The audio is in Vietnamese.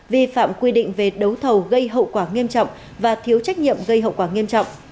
vi phạm quy định về đấu thầu gây hậu quả nghiêm trọng và thiếu trách nhiệm gây hậu quả nghiêm trọng